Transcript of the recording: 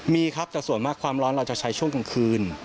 มีครับแต่ส่วนมากความร้อนเราจะใช้ช่วงกลางคืน